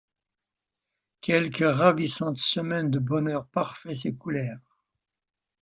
Quelques ravissantes semaines de bonheur parfait s’écoulèrent.